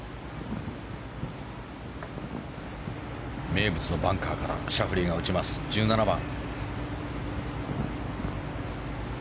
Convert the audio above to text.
名物のバンカーからシャフリーが打ちます、１７番。